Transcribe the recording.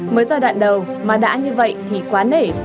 mới giai đoạn đầu mà đã như vậy thì quá nể